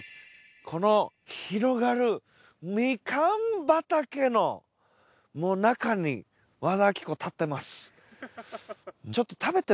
この広がるミカン畑の中に和田アキ子立ってます。